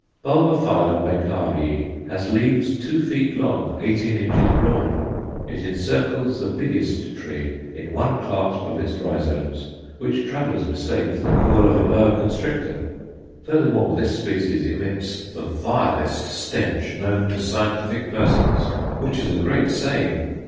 B. Beccarii has leaves two feet long, eighteen inches broad. It encircles the biggest tree in one clasp of its rhizomes, which travellers mistake for the coil of a boa constrictor. Furthermore, this species emits the vilest stench known to scientific persons, which is a great saying.